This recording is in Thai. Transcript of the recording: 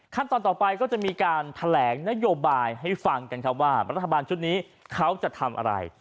ต่อไปก็จะมีการแถลงนโยบายให้ฟังกันครับว่ารัฐบาลชุดนี้เขาจะทำอะไร